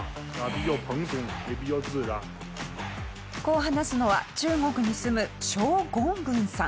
こう話すのは中国に住むショウ・ゴングンさん。